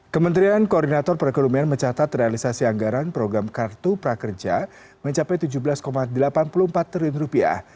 kementerian koordinator perekonomian mencatat realisasi anggaran program kartu prakerja mencapai tujuh belas delapan puluh empat triliun rupiah